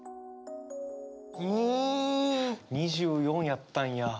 ２４やったんや。